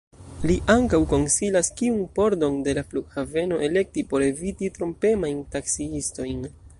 Li ankaŭ konsilas, kiun pordon de la flughaveno elekti por eviti trompemajn taksiistojn.